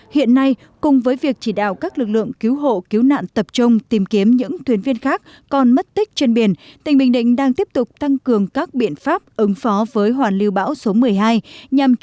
hiện nay cùng với việc chỉ đạo các lực lượng cứu hộ cứu nạn tập trung tìm kiếm những thuyền viên khác còn mất tích trên biển tỉnh bình định đang tiếp tục tăng cường các biện pháp ứng phó với hoàn lưu bão số một mươi hai nhằm chủ động giảm thiểu thiệt hại do cơn bão gây ra trong những ngày tới